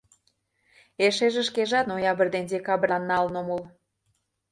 Эшеже шкежат ноябрь ден декбрьлан налын ом ул...